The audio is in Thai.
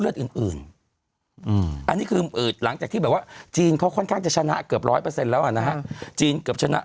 อันนี้คือหลังจากที่แบบว่าจีนเขาค่อนข้างจะชนะเกือบร้อยเปอร์เซ็นต์แล้วอ่ะนะฮะจีนเกือบชนะ